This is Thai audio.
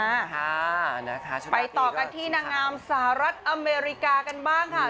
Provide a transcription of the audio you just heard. ค่ะนะคะไปต่อกันที่นางงามสหรัฐอเมริกากันบ้างค่ะ